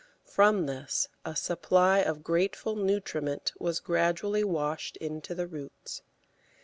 From this a supply of grateful nutriment was gradually washed in to the roots.